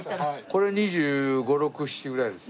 これ２５２６２７ぐらいですね。